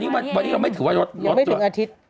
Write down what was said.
๒๓วันยังไม่ถึงอาทิตย์